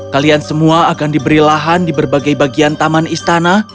kalian semua akan diberi lahan di berbagai bagian taman istana